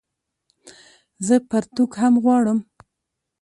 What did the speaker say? زه پرتوګ هم غواړم